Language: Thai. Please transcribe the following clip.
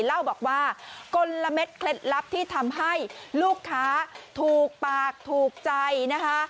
เล่าบอกว่ากลมเคล็ดลับที่ทำให้ลูกค้าถูกปากถูกใจนะคะ